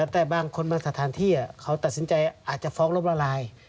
แต่บางคนบางสถานที่เขาตัดสินใจอาจจะฟ้องล้มละลาย